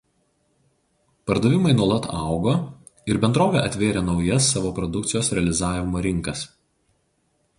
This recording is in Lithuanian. Pardavimai nuolat augo ir bendrovė atvėrė naujas savo produkcijos realizavimo rinkas.